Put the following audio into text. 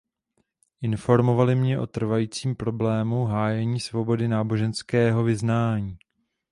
Informovali mě o trvajícím problému hájení svobody náboženského vyznání.